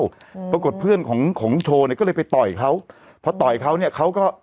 อืมปรากฏเพื่อนของของโชว์เนี้ยก็เลยไปต่อยเขาพอต่อยเขาเนี้ยเขาก็